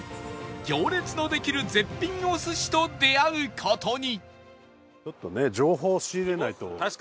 行列のできる絶品お寿司と出会う事に